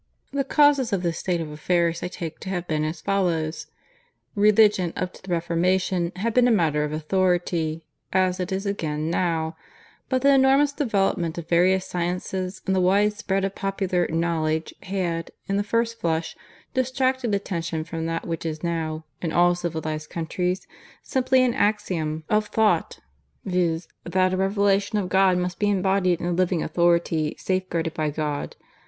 "The causes of this state of affairs I take to have been as follows: "Religion up to the Reformation had been a matter of authority, as it is again now; but the enormous development of various sciences and the wide spread of popular 'knowledge' had, in the first flush, distracted attention from that which is now, in all civilized countries, simply an axiom of thought, viz., that a Revelation of God must be embodied in a living authority safeguarded by God.